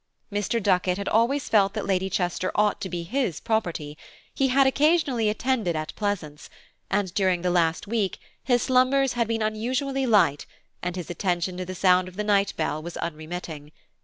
Mr. Duckett had always felt that Lady Chester ought to be his property; he had occasionally attended at Pleasance, and during the last week his slumbers had been unusually light, and his attention to the sound of the night bell was unremitting.